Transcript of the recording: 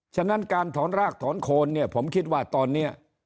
ฉะนั้นการถอนรากถอนโคนเนี่ยผมคิดว่าตอนนี้